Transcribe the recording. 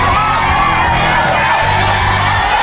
โอ้หมดทีละสองตัวแล้วนะฮะ